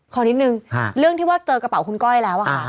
ขอนิดนึงเรื่องที่ว่าเจอกระเป๋าคุณก้อยแล้วอะค่ะ